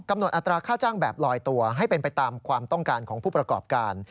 อัตราค่าจ้างแบบลอยตัวให้เป็นไปตามความต้องการของผู้ประกอบการ